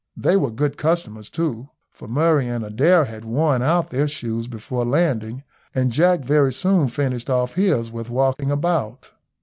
They were good customers too, for Murray and Adair had worn out their shoes before landing, and Jack very soon finished off his with walking about.